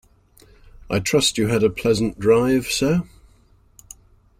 I trust you had a pleasant drive, sir.